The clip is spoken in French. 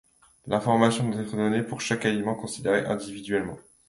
L'information doit être donnée pour chaque aliment considéré individuellement.